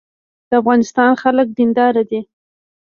د افغانستان خلک دیندار دي